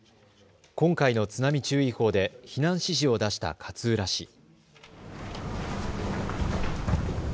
今回の津波注意報で避難指示を出した勝浦市。